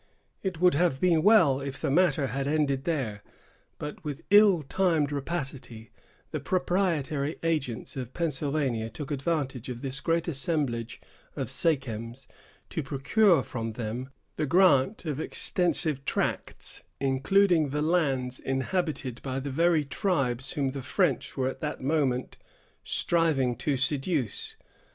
It would have been well if the matter had ended here; but, with ill timed rapacity, the proprietary agents of Pennsylvania took advantage of this great assemblage of sachems to procure from them the grant of extensive tracts, including the lands inhabited by the very tribes whom the French were at that moment striving to seduce.